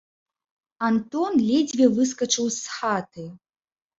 Антон ледзьве выскачыў з хаты.